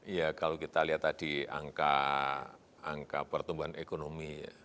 iya kalau kita lihat tadi angka pertumbuhan ekonomi